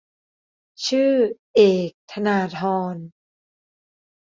ชื่อ : เอก ธนาธร